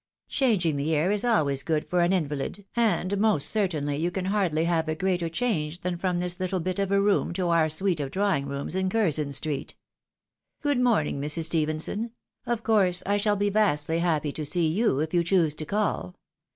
Changing the air is always good for an invalid ; and most certainly you can hardly have a greater change than from this little bit of a room to our suite of draw ing rooms in Curzon street. Good morning, Mrs. Stephenson ; of course I shall be vastly happy to see you, if you choose to call.